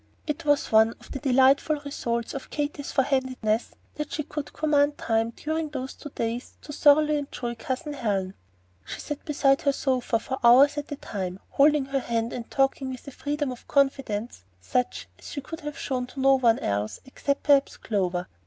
It was one of the delightful results of Katy's "forehandedness" that she could command time during those next two days to thoroughly enjoy Cousin Helen. She sat beside her sofa for hours at a time, holding her hand and talking with a freedom of confidence such as she could have shown to no one else, except perhaps to Clover.